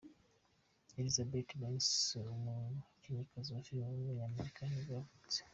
Elizabeth Banks, umukinnyikazi wa filime w’umunyamerika nibwo yavutse.